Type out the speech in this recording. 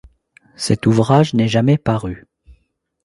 Cet ouvrage n'est jamais paru.